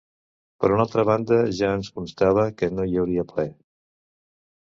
Per una altra banda, ja ens constava que no hi hauria ple.